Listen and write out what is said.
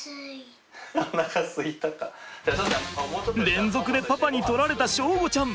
連続でパパに取られた祥吾ちゃん。